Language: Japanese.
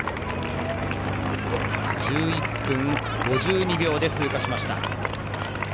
１１分５２秒で通過しました。